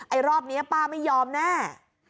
รอบนี้ป้าไม่ยอมแน่